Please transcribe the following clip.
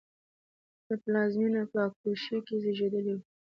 په پلازمېنه کاګوشی کې زېږېدلی و.